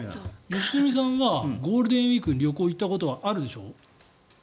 良純さんはゴールデンウィークに旅行に行ったことはあるでしょ？